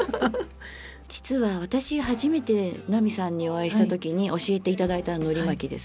実は私初めて奈美さんにお会いした時に教えて頂いたののり巻きです。